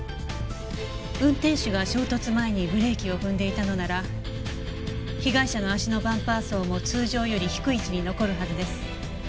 運転手が衝突前にブレーキを踏んでいたのなら被害者の足のバンパー創も通常より低い位置に残るはずです。